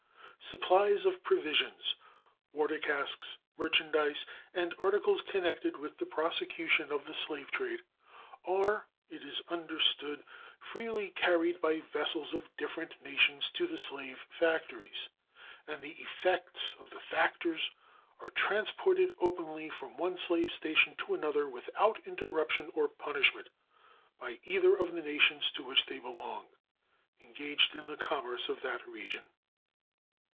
Supplies of provisions, water casks, merchandise, and articles connected with the prosecution of the slave trade are, it is understood, freely carried by vessels of different nations to the slave factories, and the effects of the factors are transported openly from one slave station to another without interruption or punishment by either of the nations to which they belong engaged in the commerce of that region.